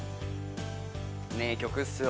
名曲っすよ。